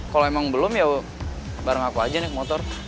kalau emang belum ya bareng aku aja nih ke motor